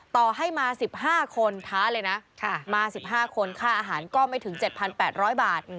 ต่อให้มา๑๕คนท้าเลยนะมา๑๕คนค่าอาหารก็ไม่ถึง๗๘๐๐บาท